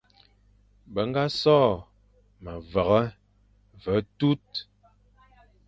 Be ñga sô memveghe ve tu,